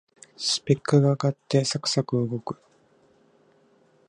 スペックが上がってサクサク動く